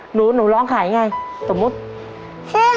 หนูร้องขายอย่างไรสมมุติ